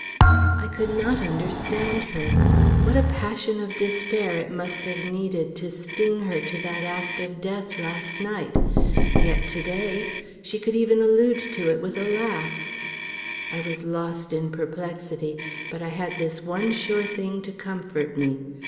I could not understand her. What a passion of despair it must have needed to string her to that act of death last night! Yet to day she could even allude to it with a laugh. I was lost in perplexity, but I had this one sure thing to comfort me.